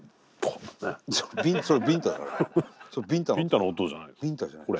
ビンタの音じゃないの？